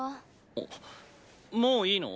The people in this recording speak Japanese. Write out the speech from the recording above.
あっもういいの？